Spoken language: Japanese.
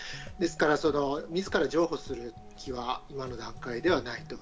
ですから自ら譲歩する気は今の段階ではない。